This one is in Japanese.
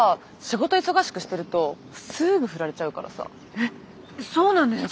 えっそうなんですか？